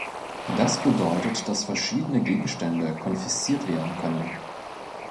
Das bedeutet, dass verschiedene Gegenstände konfisziert werden können.